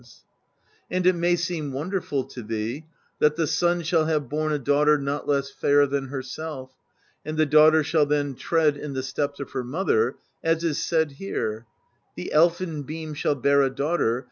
84 PROSE EDDA And it may seem wonderful to thee, that the sun shall have borne a daughter not less fair than herself; and the daughter shall then tread in the steps of her mother, as is said here : The Elfin beam shall bear a daughter.